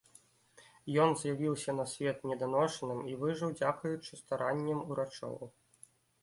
Ён з'явіўся на свет неданошаным і выжыў дзякуючы старанням урачоў.